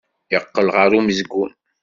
Yeqqel ɣer umezgun.